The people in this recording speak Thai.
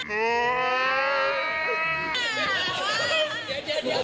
เรื่องอะไรเยอะ